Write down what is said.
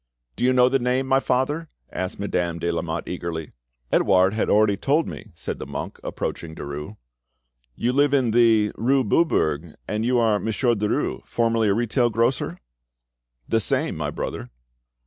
"Do you know the name, my father?" asked Madame de Lamotte eagerly. "Edouard had already told me," said the monk, approaching Derues. "You live in the, rue Beaubourg, and you are Monsieur Derues, formerly a retail grocer?" "The same, my brother."